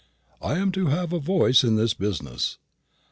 I am to have a voice in the business."